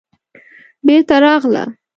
بېرته راغله.